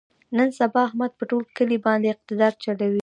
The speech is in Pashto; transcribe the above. نن سبا احمد په ټول کلي باندې اقتدار چلوي.